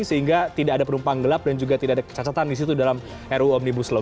sehingga tidak ada penumpang gelap dan juga tidak ada kecacatan di situ dalam ruu omnibus law